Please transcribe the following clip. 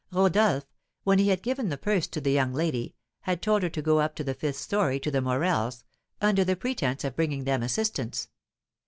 Rodolph, when he had given the purse to the young lady had told her to go up to the fifth story to the Morels, under the pretence of bringing them assistance.